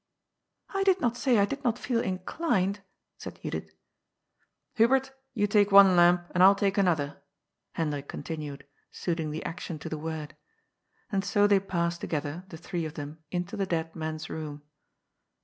*^ I did not say I did not feel inclined," said Judith. "Hubert, you take one lamp, and I'll take another,'* Hendrik continued, suiting the action to the word. And 80 they passed together, the three of them, into the dead man's room.